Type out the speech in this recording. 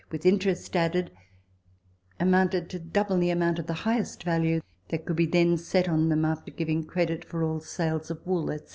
with interest added, amounted to double the amount of the highest value that could be then set on them, after giving credit for all sales of wool, &c.